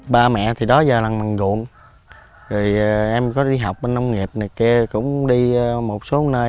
ba mẹ thì đó giờ là mình ruộng rồi em có đi học bên nông nghiệp này kia cũng đi một số nơi